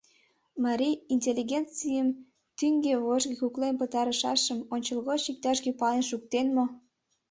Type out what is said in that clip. Марий интеллигенцийым тӱҥге-вожге куклен пытарышашым ончылгоч иктаж-кӧ пален шуктен мо?